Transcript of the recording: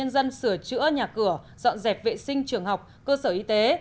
dân sửa chữa nhà cửa dọn dẹp vệ sinh trường học cơ sở y tế